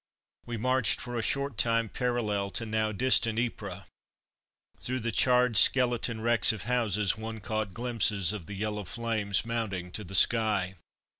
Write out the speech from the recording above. We marched for a short time parallel to now distant Ypres. Through the charred skeleton wrecks of houses one caught glimpses of the yellow flames mounting to the sky.